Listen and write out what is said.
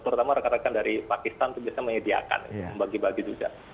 terutama rekan rekan dari pakistan itu biasanya menyediakan membagi bagi juga